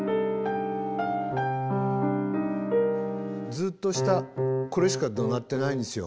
ずっと下これしかド鳴ってないんですよ。